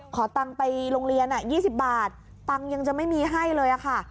ขอตังค์ไปโรงเรียนอ่ะยี่สิบบาทตังค์ยังจะไม่มีให้เลยอ่ะค่ะ